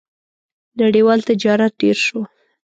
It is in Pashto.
• نړیوال تجارت ډېر شو.